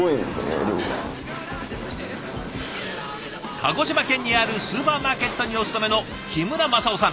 鹿児島県にあるスーパーマーケットにお勤めの木村政男さん。